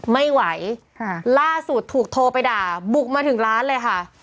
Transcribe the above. ไม่ไหวล่าสุดถูกโทรไปด่าบุกมาถึงร้านเลยค่ะ